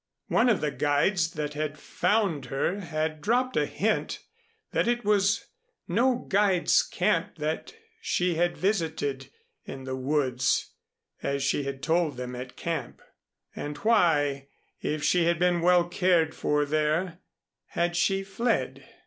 One of the guides that had found her had dropped a hint that it was no guide's camp that she had visited in the woods, as she had told them at camp. And why, if she had been well cared for there, had she fled?